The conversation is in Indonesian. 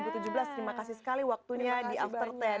terima kasih sekali waktunya pak di after sepuluh